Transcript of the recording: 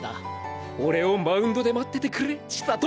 俺をマウンドで待っててくれ千里！